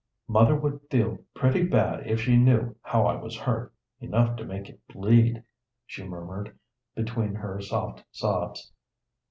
"Mother would feel pretty bad if she knew how I was hurt, enough to make it bleed," she murmured, between her soft sobs.